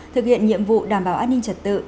thực hiện nhiệm vụ đảm bảo an ninh trật tự